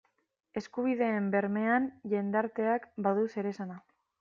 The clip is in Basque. Eskubideen bermean jendarteak badu zeresana.